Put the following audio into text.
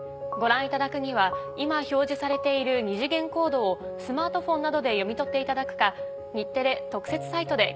ご覧いただくには今表示されている二次元コードをスマートフォンなどで読み取っていただくか。